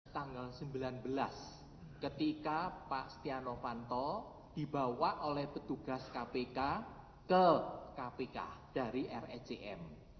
tanggal sembilan belas ketika pak stiano fanto dibawa oleh petugas kpk ke kpk dari recm